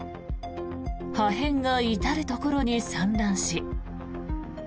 破片が至るところに散乱し。